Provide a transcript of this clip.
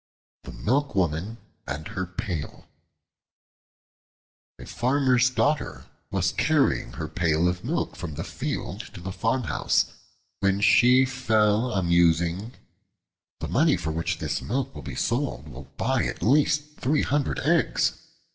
The Milk Woman and Her Pail A FARMER'S daughter was carrying her Pail of milk from the field to the farmhouse, when she fell a musing. "The money for which this milk will be sold, will buy at least three hundred eggs.